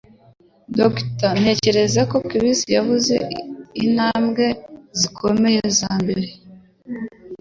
DR: Ntekereza ko Chris yavuze intambwe zikomeye zambere.